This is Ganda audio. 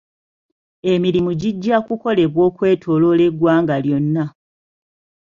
Emirimu gijja kukolebwa okwetooloola eggwanga lyonna.